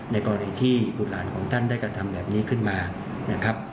ในกรณีที่บุตรหลานของท่านได้กระทำแบบนี้ขึ้นมานะครับ